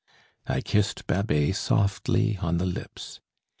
I kissed Babet softly on the lips.